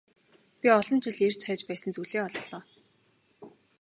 Би олон жил эрж хайж байсан зүйлээ оллоо.